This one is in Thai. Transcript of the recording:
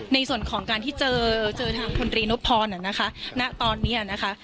ในส่วนของการที่เจอเจอทางพลตรีนพพรนะคะณตอนนี้นะคะ